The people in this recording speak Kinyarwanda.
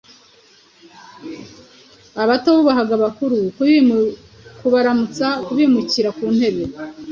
abato bubahaga abakuru: kubaramutsa, kubimukira ku ntebe.